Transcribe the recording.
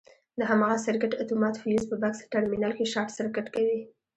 د هماغه سرکټ اتومات فیوز په بکس ټرمینل کې شارټ سرکټ کوي.